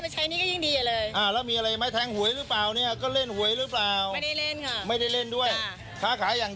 ใช้หนี้ลดลงค่ะ